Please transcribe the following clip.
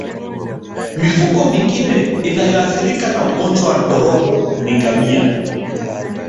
Mifugo mingine inayoathirika na ugonjwa wa ndorobo ni ngamia